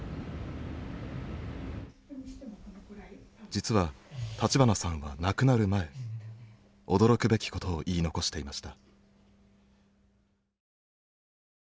実は立花さんは亡くなる前驚くべきことを言い残していました。